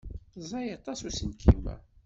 Ẓẓay aṭas uselkim-a.